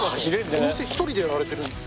お店１人でやられてるんですか？